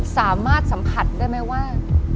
สามารถสัมผัสได้ไหมว่า